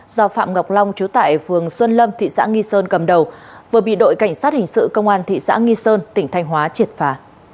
do phạm ngọc long chú tại phường xuân lâm thị xã nghi sơn cầm đầu vừa bị đội cảnh sát hình sự công an thị xã nghi sơn tỉnh thanh hóa triệt phá